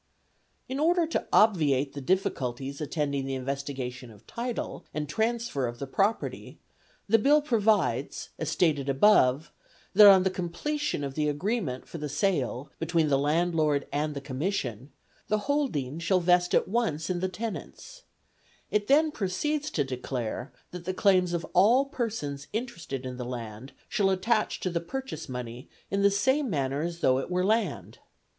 In order to obviate the difficulties attending the investigation of title and transfer of the property, the Bill provides, as stated above, that on the completion of the agreement for the sale between the landlord and the Commission, the holding shall vest at once in the tenants: it then proceeds to declare that the claims of all persons interested in the land shall attach to the purchase money in the same manner as though it were land.